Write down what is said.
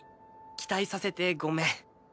期待させてごめん。